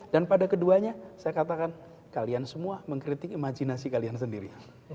dan pada keduanya saya katakan kalian semua mengkritik imajinasi kalian sendiri